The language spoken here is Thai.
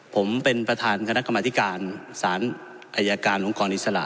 ผมเป็นประธานคณะกรรมธิการสารอายการองค์กรอิสระ